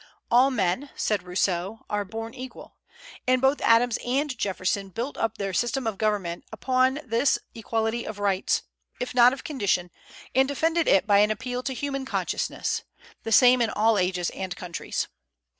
"All men," said Rousseau, "are born equal;" and both Adams and Jefferson built up their system of government upon this equality of rights, if not of condition, and defended it by an appeal to human consciousness, the same in all ages and countries.